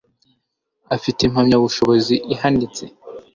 afite impamyabushobozi ihanitse